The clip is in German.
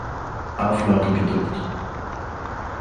Auflage gedruckt.